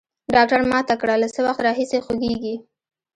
ډاکتر ما ته کړه له څه وخت راهيسي خوږېږي.